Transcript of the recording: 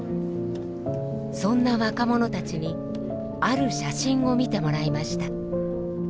そんな若者たちにある写真を見てもらいました。